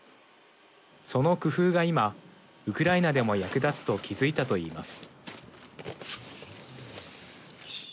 その工夫が今、ウクライナでも役立つと気付いたと言います。